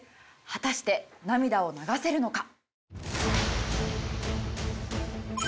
果たして涙を流せるのか？